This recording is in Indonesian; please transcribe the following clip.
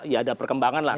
ya ada perkembangan lah